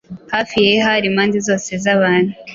Hafi ye hari impande zose zabantu